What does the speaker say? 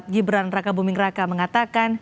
gibran raka buming raka mengatakan